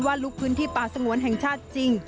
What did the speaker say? ว่าลูกคุณที่ป่าสงวนแห่งชาติจริง